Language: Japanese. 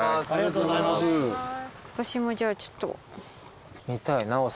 私もじゃあちょっと。